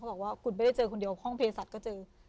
บอกว่าคุณไม่ได้เจอคนเดียวห้องเพศสัตว์ก็เจอ